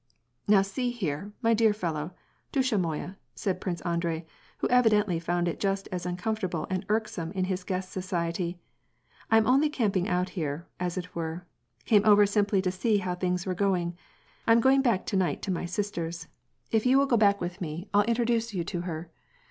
"Now see here, my dear fellow, — dusha mot/a," said Prince Andrei, who evidently found it just as uncomfortable and irksome in his guest's society, "I am only camping out here, as it were — came over simply to see how things were going. I am. going back to night to my sister's. If you will no WAR AND PEACE. go back with me, I'll introduce you to her.